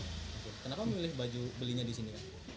kenapa memilih baju belinya di sini